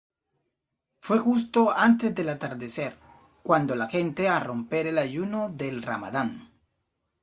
Fue justo antes del atardecer, cuando la gente a romper el ayuno del Ramadán".